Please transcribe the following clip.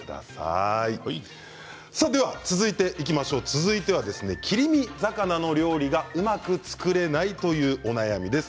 続いて切り身魚の料理がうまく作れないというお悩みです。